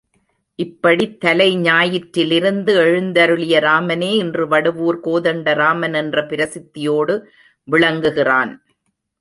இப்படித் தலைஞாயிற்றிலிருந்து எழுந்தருளிய ராமனே இன்று வடுவூர் கோதண்டராமன் என்ற பிரசித்தியோடு விளங்குகிறான்.